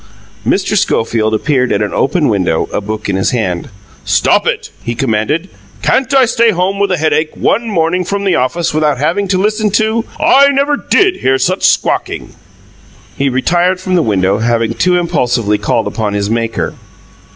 Mr. Schofield appeared at an open window upstairs, a book in his hand. "Stop it!" he commanded. "Can't I stay home with a headache ONE morning from the office without having to listen to I never DID hear such squawking!" He retired from the window, having too impulsively called upon his Maker.